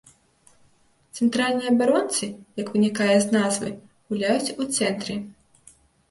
Цэнтральныя абаронцы, як вынікае з назвы, гуляюць у цэнтры.